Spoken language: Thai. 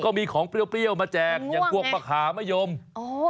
ก็มีของเปรี้ยวมาแจกอย่างกลวกปะขามะโยมมันหน่วงเอง